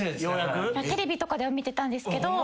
テレビとかでは見てたんですけど。